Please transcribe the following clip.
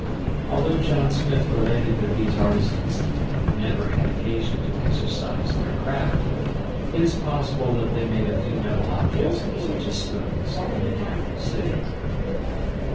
Although John Smith related that these artisans "never had occasion to exercise their craft," it is possible that they made a few metal objects (such as spoons) in the capital city.